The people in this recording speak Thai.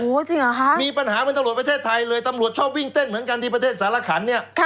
จริงเหรอคะมีปัญหาเหมือนตำรวจประเทศไทยเลยตำรวจชอบวิ่งเต้นเหมือนกันที่ประเทศสารขันเนี่ย